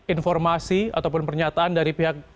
informasi ataupun pernyataan dari pihak